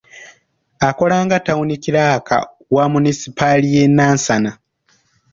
Akola nga tawuni kiraaka wa munisipaali y'e Nansana.